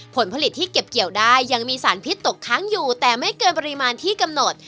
ผลผลิตที่เก็บเกี่ยวได้ยังมีสารพิษตกค้างอยู่แต่ไม่เกินปริมาณที่กำหนด